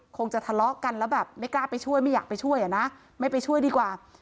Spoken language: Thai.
คงจะทะเลาะกันแล้วแบบไม่กล้าไปช่วยไม่อยากไปช่วยอ่ะนะไม่ไปช่วยดีกว่า